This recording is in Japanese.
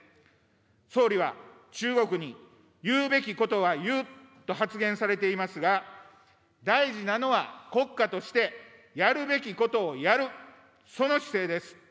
総理は、中国に言うべきことは言うと発言されていますが、大事なのは国家として、やるべきことをやる、その姿勢です。